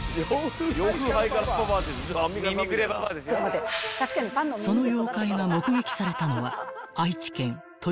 ［その妖怪が目撃されたのは］